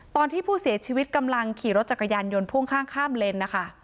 ตอนที่ผู้เสียชีวิตกำลังขี่รถจักรยานยนต์พ่วงข้างข้ามเลนนะคะ